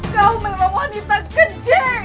kau merupakan wanita kecil